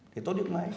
thì tốt nhất mãi